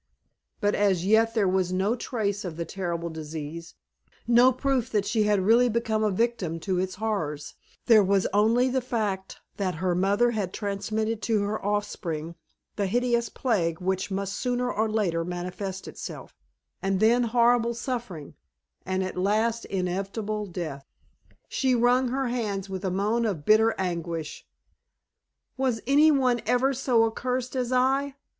But as yet there was no trace of the terrible disease no proof that she had really become a victim to its horrors there was only the fact that her mother had transmitted to her offspring the hideous plague which must sooner or later manifest itself; and then horrible suffering, and at last inevitable death. She wrung her hands with a moan of bitter anguish. "Was any one ever so accursed as I?"